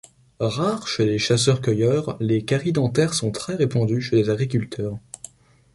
Rares chez les chasseurs-cueilleurs, les caries dentaires sont très répandues chez les agriculteurs.